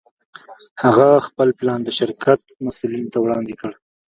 هغه خپل پلان د شرکت مسوولينو ته وړاندې کړ.